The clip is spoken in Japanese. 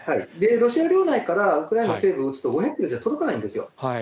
ロシア領内からウクライナ西部を撃つと、５００キロでは届かないんですよ。